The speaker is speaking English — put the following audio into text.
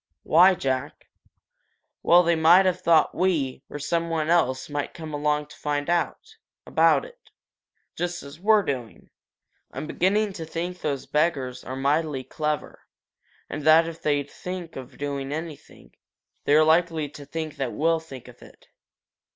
"Why, Jack?" "Well, they might have thought we, or someone else, might come along to find out about it, just as we're doing. I'm beginning to think those beggars are mightily clever, and that if they think of doing anything, they're likely to think that we'll think of it.